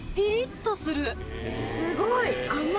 すごい！